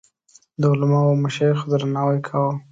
د علماوو او مشایخو درناوی کاوه.